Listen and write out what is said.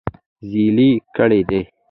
زېلې کړي دي -